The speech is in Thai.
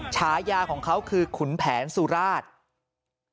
ฉายาของเขาคือขุนแผนสุราช